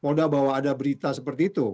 polda bahwa ada berita seperti itu